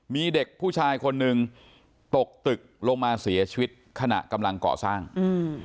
มีเด็กผู้ชายคนหนึ่งตกตึกลงมาเสียชีวิตขณะกำลังก่อสร้างอืม